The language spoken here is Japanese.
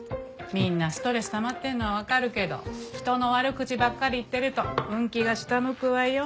みんなストレスたまってるのはわかるけど人の悪口ばっかり言ってると運気が下向くわよ。